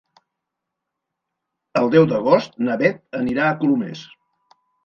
El deu d'agost na Beth anirà a Colomers.